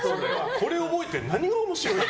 これを覚えて何が面白いの？